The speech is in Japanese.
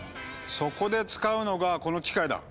そこで使うのがこの機械だ！